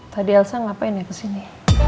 tadi elsa ngapain ya kesini